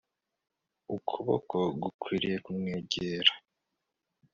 Ukuboko gukwiriye kumwegera